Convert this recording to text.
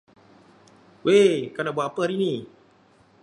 Wei kau nak buat apa hari ini.